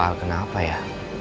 pak al kenapa ya